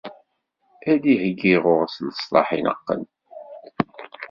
Ad d-iheyyi ɣur-s leslaḥ ineqqen.